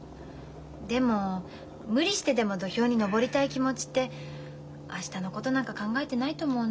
でも無理してでも土俵に上りたい気持ちって明日のことなんか考えてないと思うな。